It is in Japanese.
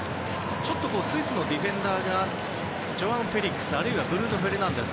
ちょっとスイスのディフェンダーがジョアン・フェリックスやあるいはブルーノ・フェルナンデス